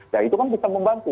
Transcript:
nah itu kan bisa membantu